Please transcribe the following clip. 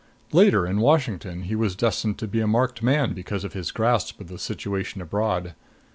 Later, in Washington, he was destined to be a marked man because of his grasp of the situation abroad.